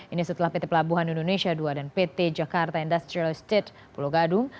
ini setelah pt pelabuhan indonesia ii dan pt jakarta industrial state pulau gadung